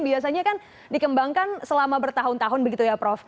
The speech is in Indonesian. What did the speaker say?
biasanya kan dikembangkan selama bertahun tahun begitu ya prof